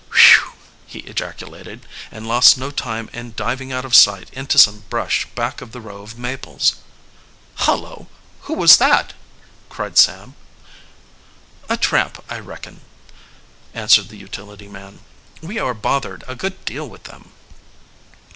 "Phew!" he ejaculated, and lost no time in diving out of sight into some brush back of the row of maples. "Hullo, who was that?" cried Sam. "A tramp, I reckon," answered the utility man. "We are bothered a good deal with them."